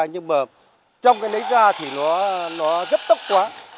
nhưng mà trong cái lấy ra thì nó gấp tốc quá